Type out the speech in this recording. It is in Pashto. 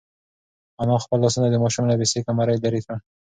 انا خپل لاسونه د ماشوم له بې سېکه مرۍ لرې کړل.